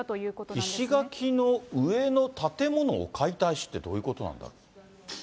石垣の上の建物を解体しって、どういうことなんだろう。